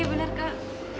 iya bener kak